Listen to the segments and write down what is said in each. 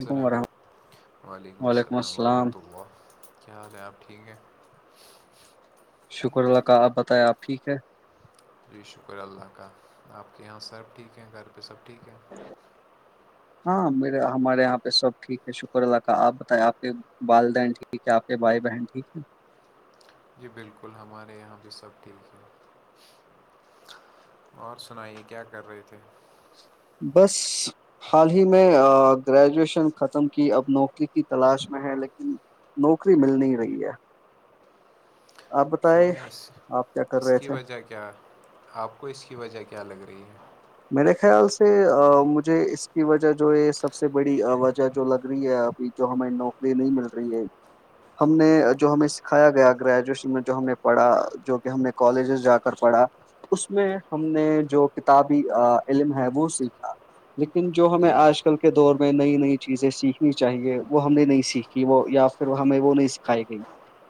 علیکم ورحمۃ علیکم و علیکم السلام ورحمۃ اللہ کیا حال ہے آپ ٹھیک ہیں شکر اللہ کاا آپ بتائیں آپ ٹھیک ہے جی شکر اللہ کا آپ کے یہاں سب ٹھیک ہیں گھر پہ سب ٹھیک ہے ہاں میرے ہمارے یہاں پہ سب ٹھیک ہے شکر اللہ کا آپ بتائے آپ کے والدین ٹھیک ہے آپ کے بھائی بہن ٹھیک ہے جی بالکل ہمارے یہاں پہ سب ٹھیک ہے اور سنائیے کیا کر رہے تھے بس حال ہی میں گریجویشن ختم کی اب نوکری کی تلاش میں ہے لیکن نوکری مل نہیں رہی ہے آپ بتائے کیوں اس آپ کیا کر اس رہے کی تھے وجہ کیا آپ کو اس کی وجہ کیا لگ رہی ہے میرے خیال سے مجھے اس کی وجہ جو ہے سب سے بڑی وجہ جو لگ رہی ہے ابھی جو ہمیں نوکری نہیں مل رہی ہے ہم نے جو ہمیں سکھایا گیا گریجویشن میں جو ہم نے پڑھا جو کہ ہم نے کالجز جا کر پڑھا اس میں ہم نے جو کتاب علم ہے وہ سیکھا لیکن جو ہمیں جی جی آج کل کے کے دور میں نئی نئی چیزیں سیکھنی چاہیے وہ ہم نے نہیں سیکھی وہ یا پھر ہمیں وہ نہیں سکھائی گئی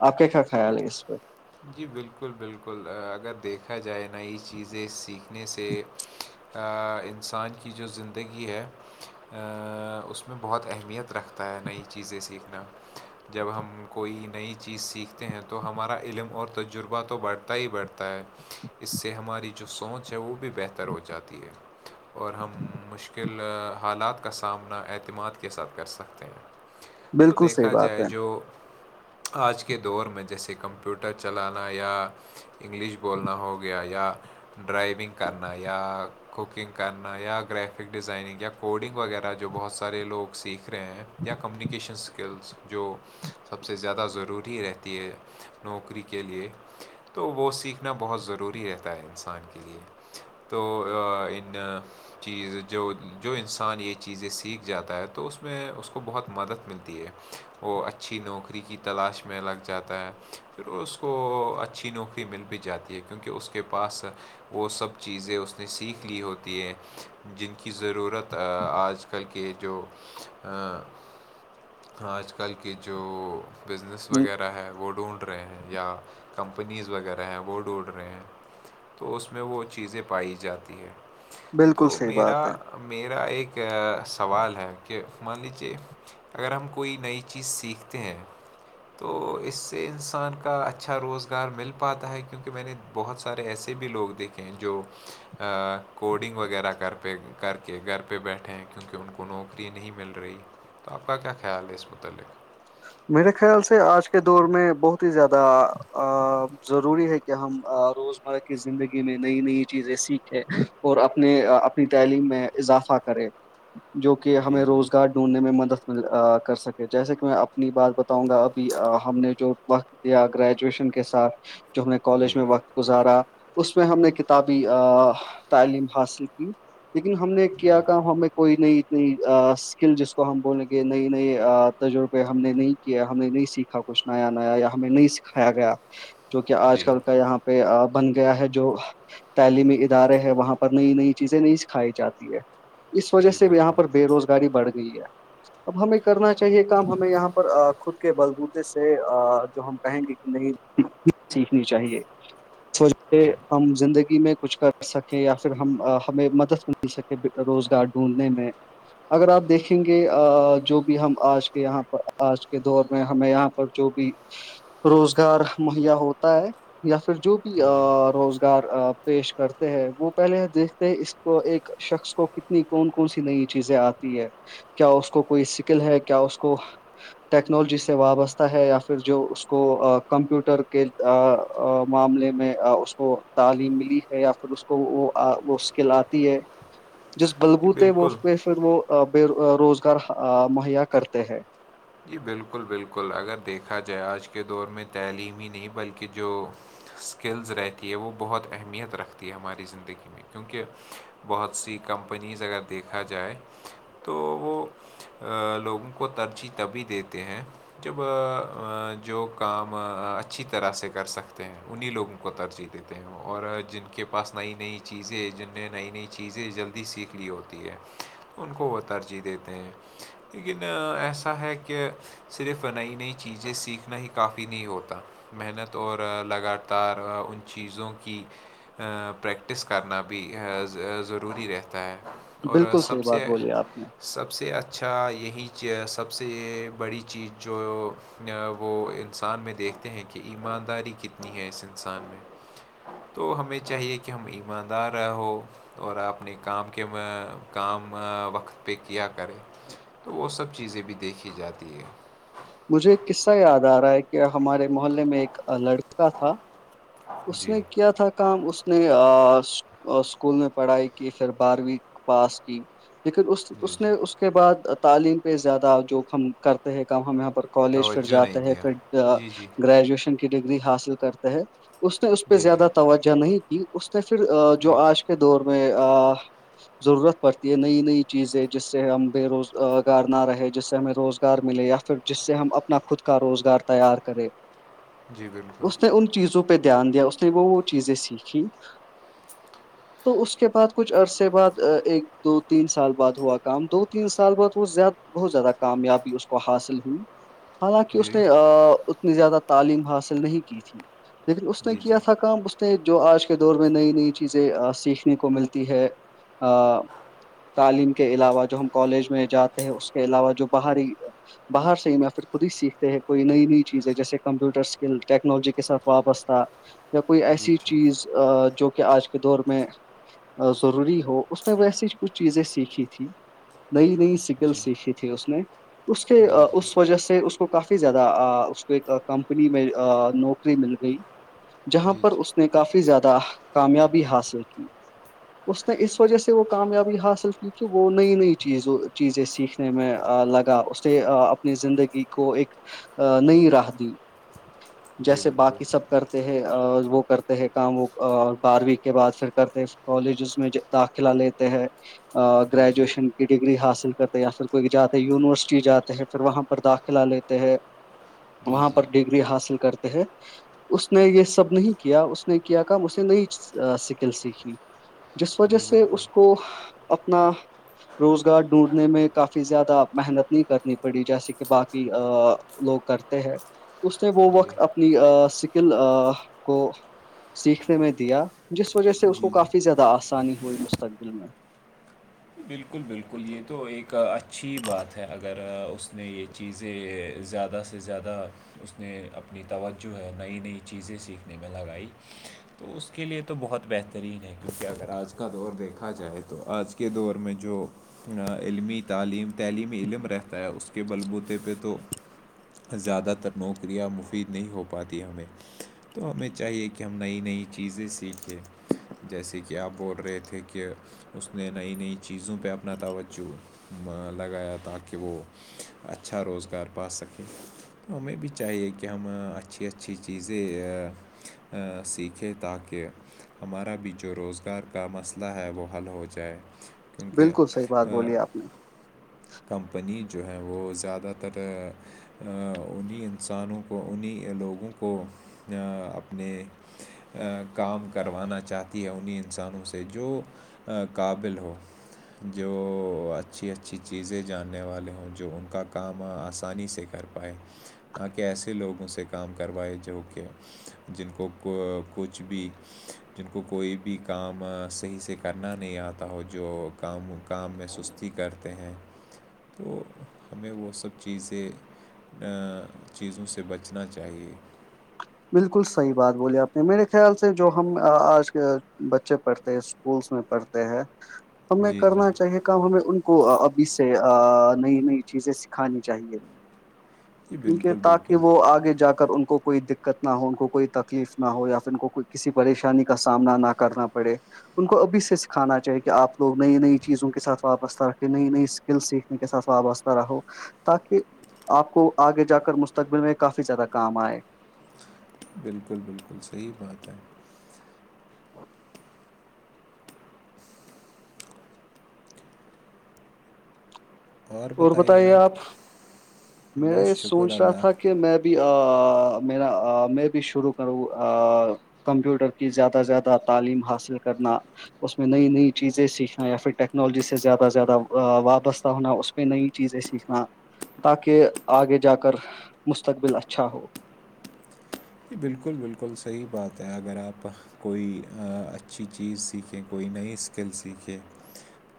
آپ کا کیا جی خیال ہے اس پہ جی بالکل بالکل اگر دیکھا جائے نئی چیزیں سیکھنے سے انسان کی جو زندگی ہے اس میں بہت اہمیت رکھتا ہے نئی چیزیں سیکھنا جب ہم کوئی نئی چیز سیکھتے ہیں تو ہمارا علم اور تجربہ تو بڑھتا ہی بڑ ھتا ہے اس سے ہماری جو سونچ ہے وہ بھی بہتر ہو جاتی ہے اور ہم مشکل حالات کا سامنا اعتماد کے ساتھ کر سکتے ہیں تو بالکل صحیح دیکھا بات جائے جو ہے آج کے دور میں جیسے کمپیوٹر ٹر چلانا یا انگلش بولنا ہو گیا یا ڈرائیونگ کرنا یا کوکنگ کرنا یا گریفک ڈیزائننگ یا کوڈنگ وغیرہ جو بہت سارے لوگ سیکھ سیکھ رہے ہیں یا کمیونیکیشن اسکلس جو سب سے زیادہ ضروری رہتی ہے نوکری کے لیے تو وہ سیکھنا بہت ضروری رہتا ہے انسان کے لیے تو ان چیز جو جو انسان یہ چیزیں سیکھ جاتا ہے تو اس میں اس کو بہت مدد ملتی ہے وہ اچھی نوکری کی تلاش میں لگ جاتا ہے پھر اس کو اچھی نوکری مل بھی جاتی ہے کیونکہ اس کے پاس وہ سب چیزیں اس نے سیکھ لی ہوتی ہے جن کی ضرورت آج آج کل کے جو آج کل کے جو بزنس وغیرہ ہے وہ ڈھونڈ رہے ہیں یا کمپنیز وغیرہ ہیں وہ ڈھونڈ رہے ہیں تو اس میں وہ چیزیں پائی جاتی ہیں بالکل تو صحیح بات میرا ہے میرا ایک سوال ہے کہ مان لیجیے اگر ہم کوئی نئی چیز سیکھتے ہیں تو اس سے ان انسان کا اچھا روزگار مل پاتا ہے کیونکہ میں نے بہت سارے ایسے بھی لوگ دیکھے ہیں جو کوڈنگ وغیرہ کر پہ کر کے گھر پہ بیٹھے ہیں کیونکہ ان کو نوکری نہیں مل رہی تو آپ کا کیا خیال ہے اسس متعلق میرے خیال سے آج کے دور میں بہت ہی زیادہ ضروری ہے کہ ہم روزمرہ کی زندگی میں نئی نئی چیزیں سیکھیں اور اپنے اپنی تعلیم میں اضافہ کرے جو کہ ہمیں جی روزگار ڈھونڈنے میں مدد کر سکے جیسے کہ میں اپنی بات بتاؤں گا ابھی ہم نے جو وقت دیا گریجویشن کے ساتھ جو ہم نے جی کالج میں وقت گزارا اس میں ہم نے کتابی تعلیم حاصل کی لیکن ہم نے جی کیا کہ ہمیں کوئی نہیں نی اسکل جس کو ہم بولیں گے نئی نئی تجربے ہم نے نہیں کیا ہم نے نہیں سیکھا کچھ نیا نیا یا ہمیں نہیں سکھایا گیا جو کہ آج جی جی کل کا یہاں پہ بن گیا ہے جو تعلیمی ادارے ہے وہاں پر نئی نئی چیزیں نہیں سکھائی جاتی ہے اس وجہ جی سے بھی یہاں پر بالکل بے روزگاری بڑھ گئی ہے اب ہمیں کرنا چاہیے کہ کام ہمیں یہاں پر خود کے بلبوتے سے جو ہم کہیں گے کہ نہیں سیکھنی چاہیے سوچ جی ہم زندگی میں کچھ کر سکیں یا پھر ہم ہمیں مدد مل سکیں روزگار ڈھونڈنے میں اگر آپ دیکھیں گے جو بھی ہم آج یہاں پر آج کے دور میں ہمیں یہاں پر جو بھی روزگار مہیا ہوتا ہے یا پھر جو بھی جی روزار ار پیش کرتے ہیں وہ پہلے دیکھتے اس کو ایک شخص کو ک نی کون کون سی نئی چیزیں آتی ہے کیا اس کو کوئی سکل ہے کیا اس کو ٹیکنالوجی سے وابستہ ہے یا پھر جو اس کو کمپیوٹر کے معاملے میں اس کو تعلیم ملی ہے یا پھر اس کو وہ وہ اسکل آتی ہے [inaudible] جس جی بلگوتے و بالکل پہ پھر وہ بے روزگار مہیا کرتے ہیں جی بالکل بالکل اگر دیکھا جائے آج کے دور میں تعلیمی ہی نہیں بلکہ جو اسکلز رہتی ہے وہ بہت اہمیت رکھتی ہے ہماری زندگی میں کیونکہ بہت سی کمپنیز اگر دیکھا جائے تو وہ لوگوں کو ترجیح تبھی دیتے ہیں جب جو کام اچھی طرح سے کر سکتے ہیں انہیں لوگوں کو ترجیح دیتے ہیں اور جن کے پاس نئی نئی چیزیں جن نے نئی نئی چیزیں جلدی سیکھ لی ہو ہے ان کو وہ ترجیح دیتے ہیں لیکن ایسا ہے کہ صرف نئی نئی چیزیں سیکھنا ہی کافی نہیں ہوتا محنت اور لگاتار ان چیزوں کی پریکٹس کرنا بھی ضروری رہتا ہے اور بالکل صحیح سب بات سے بولی آپ نے سب سے اچھا یہی چیس سب سے یہ بڑی چیز جو وہ انسان میں دیکھتے ہیں کہ ایمانداری کت نی ہے اس انسان میں تو ہمیں چاہیے کہ ہم ایماندار رہ ہو اور اپنے کام کے کام وقت پہ کیا کرے تو وہ سب چیزیں بھی دیکھی جاتی ہے مجھے قصہ یاد آ رہا ہے کہ ہمارے محلے میں ایک لڑکا تھا اس جی نے کیا تھا کام اس نے اسکول میں پڑھائی کی پھر بارہویں پاس کی لیکن اس جی اس جی نے اس کے بعد تعلیم پہ زیادہ جو ہم کرتے ہیں کام ہماں کالج پھر توجہ نہیں جاتے ہے دیا پھر جی جی گریجویشن کی ڈگری حاصل کرتے ہے اس نے اس پہ جی جی زیادہ توجہ نہیں کی اس نے پھر جو جی آج کے دور میں ضرورت پڑتی ہے نئی نئی چیزیں جس سے ہم بے روزگار نہ رہے جس سے ہمیں روز ار ملے یا پھر جس سے ہم اپنا خود کا روزگار تیار کریں جی بالکل اس نے ان چیزوں پہ دھیان دیا اس نے وہ وہ چیزیں سیکھی تو اس کے بعد کچھ عرصے بعد ایک دو تین سال بعد ہوا کام دو تین سال بعد وہ زیادہ بہت زیادہ کامیابی اس کو حاصل حالانکہ اس جی نے اتنی زیادہ تعلیم حاصل نہیں کی تھی لیکن اس نے جی کیا جی تھا کام جو آج کے دور میں نئی نئی چیزیں سیکھنے کو ملتی ہے تعلیم کے علاوہ جو ہم کالج میں جاتے ہیں اس کے علاوہ جو باہری باہر سے ہی یا پھر خود ہی سیکھتے ہیں کوئی نئی نئی چیزیں جیسے کمپیوٹر اسکل ٹیکنالوجی کے ساتھ وابستہ یا کوئی جی جی ایسی جی چیز جو کہ آج کے دور میں ضروری ہو اس نے ویسے ہی کچھ چیزیں سیکھی تھی نئی نئی سکل جی سیکھی تھی اس نے اس کے جی جی اس وجہ سے اس اس کو کافی زیادہ اس کو ایک کمپنی میں نوکری مل گئی جہاں پر جی اس نے کافی زیادہ کامیابی حاصل کی اس نے اس وجہ سے وہ کامیابی حاصل کی کہ وہ نئی نئی چیز چیزیں سیکھنے میں لگا اس سے اپنی زندگی کو ایک نئی راہ دی جی جیسے بالکل باقی سب کرتے ہیں اور وہ کرتے ہے کام وہ بارہویں کے بعد پھر کرتے ہیں کالجز میں داخلہ لیتے ہیں جی جی گریجویشن کی ڈگری حاصل کرتے ہیں یا پھر کوئی جاتے ہے یونیورسٹی چی جاتے ہیں پھر وہاں پر داخلہ لیتے ہیں جی وہاں جی پر ڈگری حاصل کرتے ہیں اس نے یہ سب نہیں کیا اس نے کیا کام اس نے نئی سکل سیکھی جس وجہ جی سے بالکل اس کو اپنا روزگار ڈھونڈنے میں کافی زیادہ محنت کرنی پڑی جیسے کہ باقی لوگ کرتے ہیں اس نے وہ جی وقت اپنے اپنی سکل کو سیکھنے میں دیا جس وجہ سے اس کو جی جی کافی زیادہ آسانی ہوئی مستقبل میں بالکل بالکل یہ تو ایک اچھی بات ہے اگر اس نے یہ چیزیں زیادہ سے زیادہ اس نے اپنی توجہ ہے نئی نئی چیزیں سیکھنے میں لگائی تو اس کے لئے تو بہت بہترین ہے کیونکہ اگر آج کا دور دیکھا جائے تو آج کے کے دور میں جو علمی تعلیم تعلیمی علم رہتا ہے اس کے بلبوتے پہ تو زیادہ تر نوکریاں مفید نہیں ہو پاتی ہمیں تو ہمیں چاہیے کہ ہم نئی نئی چیزیں سیکھیں جیسے کہ آپ بول رہے تھے کہ اس نے نئی نئی چیزوں پہ اپنا توجہ لگایا تاکہ وہ اچھا روزگار پا سکے ہمیں بھی چاہیے کہ ہم اچھی اچھی چیزیں سیکھیں تاکہ ہمارا بھی جو روزگار کا مسئلہ ہے وہ حل ہو جائے کیونکہ بالکل صحیح بات بولی آپ نے کمپنی جو ہیں وہ زیادہ تر انہیں انسانوں کو انہیں لوگوں کو اپنے کام کروانا چاہتی ہے انہیں انسانوں سے جو قابل ہو جو اچھی اچھی چیزیں جاننے والے ہوں جو ان کا کام آسانی سے کر پائے نا کہ ایسے لوگوں سے کام کروائے جو کہ جن کو کچھ بھی جن کو کوئی بھی کام صحی سے کرنا نہیں آتا ہو جو کام کام میں سستی کرتے ہیں تو ہمیں وہ سب چیزیں چیزوں سے بچنا چاہیے بالکل صحی بات بولی آپ نے میرے خیال سے جو ہم آج کے بچے پڑھتے ہیں اسکولس میں پڑھتے ہیں ہمیں جی جی کرنا چاہیے کم ہمیں ان کو ابھی سے نئی نئی چیزیں سکھانی چاہیے جی کیونکہ بالکل تاکہ بالکل وہ آگے جا کر ان کو کوئی دقت دقت نہ ہو ان کو کوئی تکلیف نہ ہو یا پھر ان کو کو کسی پریشانی کا سامنا نہ کرنا پڑے ان کو ابھی سے سکھانا چاہے کہ آپ لوگ نئی نئی چیزوں کے ساتھ وابستہ رکھیں نئی نئی اسکل سے کے ساتھ وابستا رہو تاکہ آپ کو آگے جا کر مستقبل میں کافی زیادہ کام آئے بالکل بالکل صحی بات ہے [inaudible] اور بتائیے آپ میرا یہ بس شکر سوچ رہا تھا اللہ کہ میں بھی بھی میرا میں بھی شروع کروں کمپیوٹر کی زیادہ سے زیادہ تعلیم حاصل کرنا اس میں نئی نئی چیزیں سیکھنا یا پھر ٹیکنالوجی سے زیادہ سے زیادہ وابستہ ہونا اس پہ نئی چیزیں سیکھنا تاکہ آگے جا کر مستقبل اچھا ہو جی بالکل بالکل صحیح بات ہے اگر آپ کوئی اچھی چیز سیکھے کوئی نئی اسکل سیکھے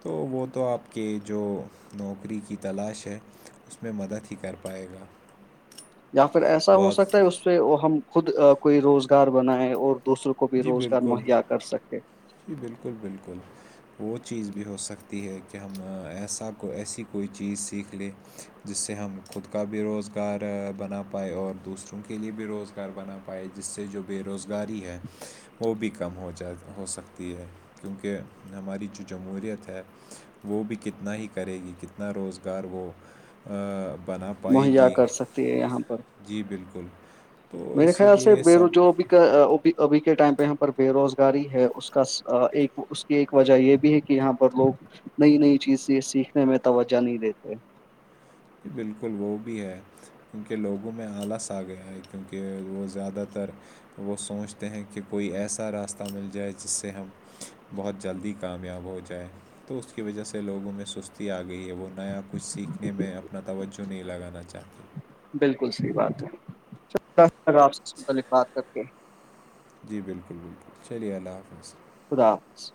تو وہ تو آپ کے جو نوکری کی تلاش ہے اس میں مدد ہی کر پائے گا یا پھر ایسا ہو سکتا ہے بہت اس پہ وہ ہم خود کوئی روزگار بنائے اور دوسروں کو بھی جی روزگار بالکل مہیا کر سکے جی بالکل بالکل تو وہ چیز بھی ہو سکتی ہے کہ ہم ایسا کو ایسی کوئی چیز سیکھ لیں جس سے ہم خود کا بھی روزگار بنا پائائے اور دوسروں کے لیے بھی روزگار بنا پائی جس سے جو بے روزگاری ہے وہ بھی کم ہو جائے ہو سکتی ہے کیونکہ ہماری جو جمہوریت ہے وہ بھی کتنا ہی کرے گی کتنا روزگار وہ بنا پائے وہی گی کر سکتے ہے یہاں پر جی بالکل تو میرے اسی خیال سے لیے بے روج سب بھی کا ابھی کے ٹائم پہ یہاں پر بے روزگاری ہے اس کا ایک اس کی ایک وجہ یہ بھی ہے کہ یہاں پر لوگ نئی نئی چیزیں سیکھنے میں توجہ نہیں دیتے بالکل وہ بھی ہے کیونکہ لوگوں میں آلس آ گیا ہے کیونکہ وہ زیادہ تر وہ سوچتے ہیں کہ کوئی ایسا راستہ مل جائے جس سے ہم بہت جلدی کامیاب ہو جائے تو اس کی وجہ سے لوگوں میں سستی آ گئی ہے وہ نیا کچھ سیکھنے میں اپنا توجہ نہیں لگانا چاہتے بالکل صحیح بات ہے آپ سے متعلق بات کر کے جی بالکل بالکل چلیے اللہ حافظ خدا حافض